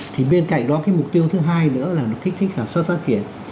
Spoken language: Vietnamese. thì bên cạnh đó cái mục tiêu thứ hai nữa là kích thích sản xuất phát triển